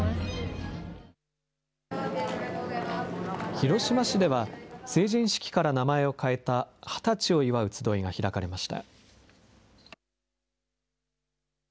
広島市では、成人式から名前を変えた二十歳を祝うつどいが開かれました。